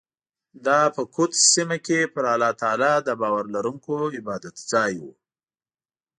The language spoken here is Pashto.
دا په قدس په سیمه کې پر الله تعالی د باور لرونکو عبادتځای و.